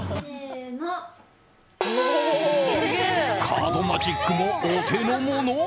カードマジックもお手のもの。